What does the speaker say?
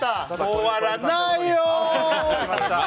終わらないよー！